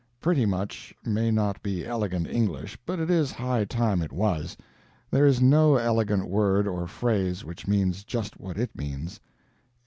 "Pretty much" may not be elegant English, but it is high time it was. There is no elegant word or phrase which means just what it means.